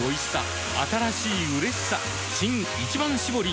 新「一番搾り」